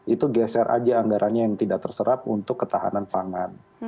itu geser aja anggarannya yang tidak terserap untuk ketahanan pangan